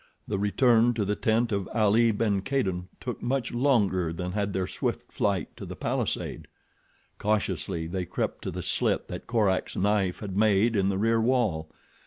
The return to the tent of Ali ben Kadin took much longer than had their swift flight to the palisade. Cautiously they crept to the slit that Korak's knife had made in the rear wall.